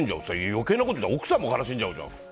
余計なこと言ったら奥さんも悲しんじゃう。